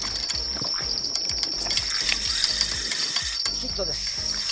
ヒットです。